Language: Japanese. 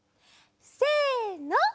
せの。